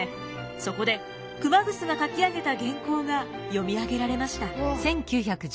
そこで熊楠が書き上げた原稿が読み上げられました。